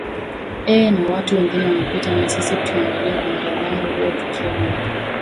ee na watu wengine wanapita na sisi tukiangalia kwa mtazamo huo tukiona